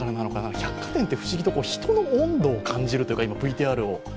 百貨店って不思議と人の温度を感じるというか。